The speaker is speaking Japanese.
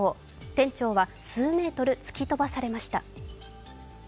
店長は数ｍ突き飛ばされました。